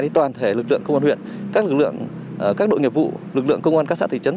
toàn thể lực lượng công an huyện các đội nghiệp vụ lực lượng công an các xã thị trấn